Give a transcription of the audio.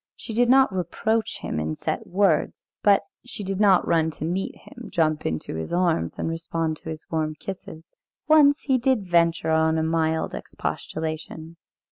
She did not reproach him in set words, but she did not run to meet him, jump into his arms, and respond to his warm kisses. Once he did venture on a mild expostulation.